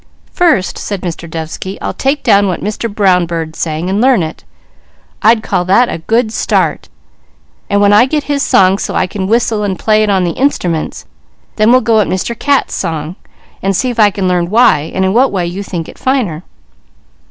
"First," said Mr. Dovesky, "I'll take down what Mr. Brown Bird sang, and learn it. I'd call that a good start, and when I get his song so I can whistle, and play it on the instruments, then we'll go at Mr. Cat's song, and see if I can learn why, and in what way you think it finer."